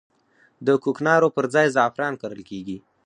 د کوکنارو پر ځای زعفران کرل کیږي